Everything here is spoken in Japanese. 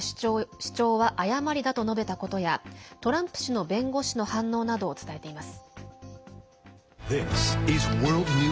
主張は誤りだと述べたことやトランプ氏の弁護士の反応などを伝えています。